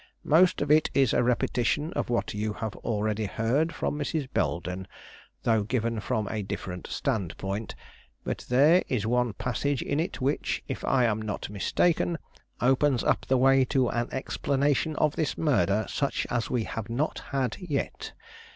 "Most of it is a repetition of what you have already heard from Mrs. Belden, though given from a different standpoint; but there is one passage in it which, if I am not mistaken, opens up the way to an explanation of this murder such as we have not had yet.